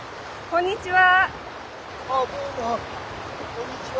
こんにちは。